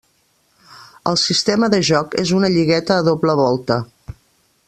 El sistema de joc és una lligueta a doble volta.